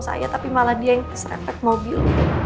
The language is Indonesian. saya tapi malah dia yang terserepet mobil